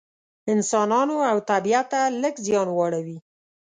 انسانانو او طبیعت ته لږ زیان واړوي.